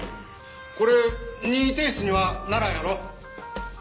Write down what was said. これ任意提出にはならんやろ？